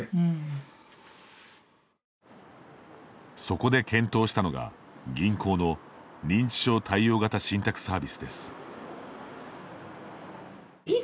そこで検討したのが、銀行の認知症対応型信託サービスです。